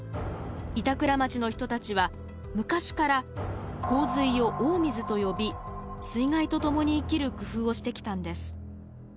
板倉町の人たちは昔から洪水を「大水」と呼び水害とともに生きる工夫をしてきたんです。